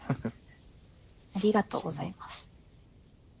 ありがとうございます。